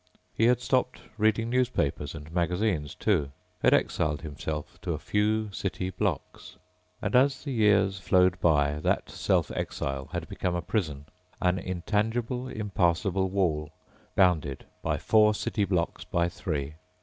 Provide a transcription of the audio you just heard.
He had stopped reading newspapers and magazines too, had exiled himself to a few city blocks. And as the years flowed by, that self exile had become a prison, an intangible, impassable wall bounded by four city blocks by three.